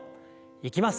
いきます。